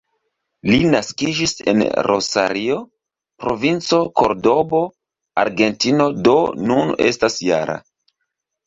Li naskiĝis en Rosario, Provinco Kordobo, Argentino, do nun estas -jara.